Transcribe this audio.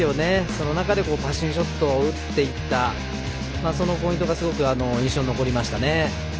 その中でパッシングショットを打っていったそのポイントがすごく印象に残りましたね。